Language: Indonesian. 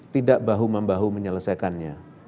tidak bahu membahu menyelesaikannya